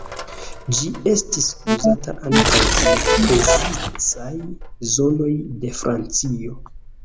Ĝi estis uzata ankaŭ en precizaj zonoj de Francio.